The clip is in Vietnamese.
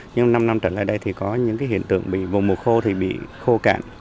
nhưng năm năm trở lại đây thì có những hiện tượng bị vùng mùa khô thì bị khô cạn